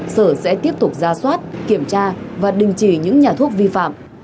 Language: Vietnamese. sở sẽ tiếp tục ra soát kiểm tra và đình chỉ những nhà thuốc vi phạm